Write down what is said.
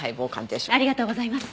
ありがとうございます。